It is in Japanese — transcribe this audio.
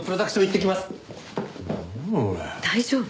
大丈夫？